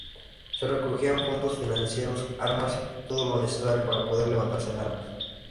Se recogían fondos financieros, armas y todo lo necesario para poder levantarse en armas.